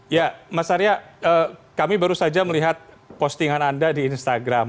ya mas arya kami baru saja melihat postingan anda di instagram